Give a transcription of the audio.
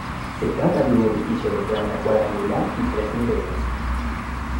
Se trata de un edificio de planta cuadrangular y tres niveles.